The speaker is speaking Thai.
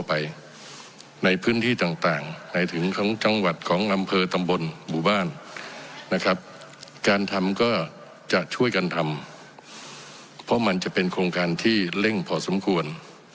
บ้านนะครับการทำก็จะช่วยการทำเพราะมันจะเป็นโครงการที่เล่งพอสมควร